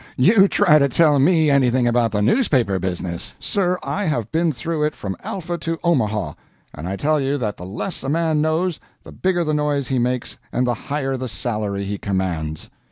You try to tell me anything about the newspaper business! Sir, I have been through it from Alpha to Omaha, and I tell you that the less a man knows the bigger the noise he makes and the higher the salary he commands.